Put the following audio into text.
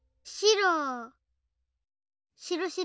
しろ。